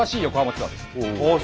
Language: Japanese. ああ